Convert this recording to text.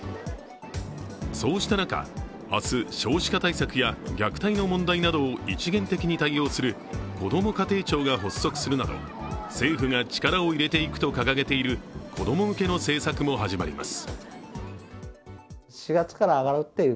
そうした中、明日、少子化対策や虐待の問題などを一元的に対応するこども家庭庁が発足するなど政府が力を入れていくと掲げている子供向けの政策も始まります。